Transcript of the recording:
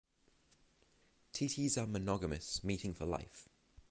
Titis are monogamous, mating for life.